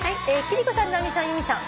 「貴理子さん直美さん由美さん